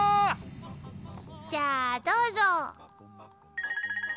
じゃあどうぞ！